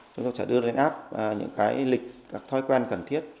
chúng tôi sẽ đưa lên app những cái lịch các thói quen cần thiết